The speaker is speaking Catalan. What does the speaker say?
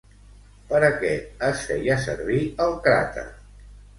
Per a què es feia servir el crater?